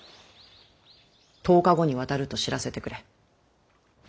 １０日後に渡ると知らせてくれ。